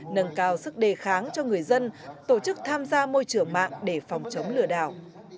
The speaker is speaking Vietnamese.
nâng cao sức đề kháng cho người dân tổ chức tham gia môi trường mạng để phòng chống lừa đảo